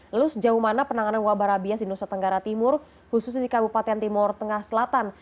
lalu sejauh mana penanganan wabah rabies di nusa tenggara timur khususnya di kabupaten timur tengah selatan